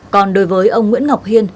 còn đối với ông nguyễn ngọc hiên